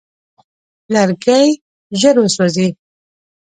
لرګی ژر وسوځي.